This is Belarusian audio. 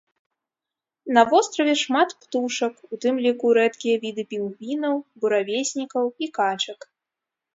На востраве шмат птушак, у тым ліку рэдкія віды пінгвінаў, буравеснікаў і качак.